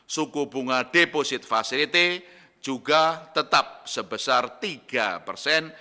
suku bunga deposit facility juga tetap sebesar tiga persen